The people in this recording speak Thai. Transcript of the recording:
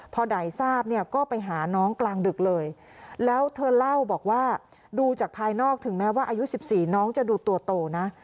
พอใดทราบเนี่ยก็ไปหาน้องกลางดึกเลยแล้วเธอเล่าบอกว่าดูจากภายนอกถึงแม้ว่าอายุ๑๔น้องจะดูตัวโตนะ